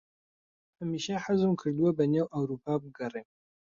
هەمیشە حەزم کردووە بەنێو ئەورووپا بگەڕێم.